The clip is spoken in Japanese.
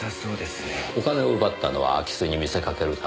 お金を奪ったのは空き巣に見せかけるため。